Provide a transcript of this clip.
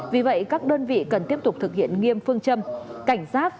vì vậy các đơn vị cần tiếp tục thực hiện nghiêm phương châm cảnh giác